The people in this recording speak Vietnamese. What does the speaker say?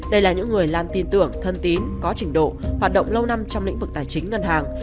đây là những người làm tin tưởng thân tín có trình độ hoạt động lâu năm trong lĩnh vực tài chính ngân hàng